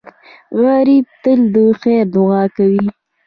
غریب تل د خیر دعا کوي